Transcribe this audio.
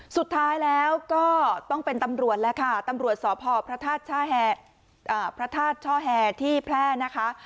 สุดท้ายแล้วก็ต้องเป็นตำรวจตำรวจสอบพ่อพระทาสเช่าแรก